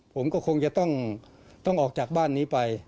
ผมก็คงจะต้องออกจากบ้านนี้ไป